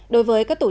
đối với các tổ chức